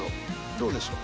どうでしょう？